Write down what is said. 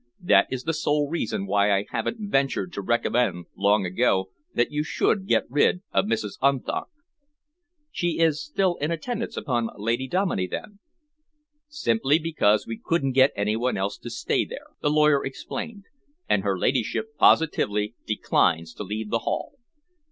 That is the sole reason why I haven't ventured to recommend long ago that you should get rid of Mrs. Unthank." "She is still in attendance upon Lady Dominey, then?" "Simply because we couldn't get any one else to stay there," the lawyer explained, "and her ladyship positively declines to leave the Hall.